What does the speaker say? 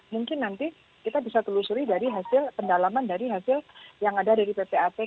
mungkin nanti kita bisa telusuri dari hasil pendalaman dari hasil yang ada dari ppatk